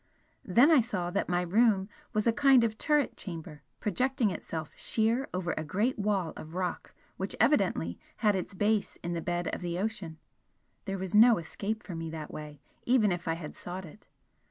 Then I saw that my room was a kind of turret chamber, projecting itself sheer over a great wall of rock which evidently had its base in the bed of the ocean. There was no escape for me that way, even if I had sought it.